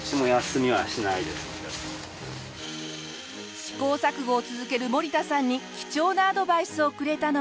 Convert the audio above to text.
試行錯誤を続ける森田さんに貴重なアドバイスをくれたのが。